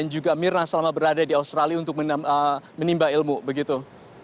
juga mirna selama berada di australia untuk menimba ilmu begitu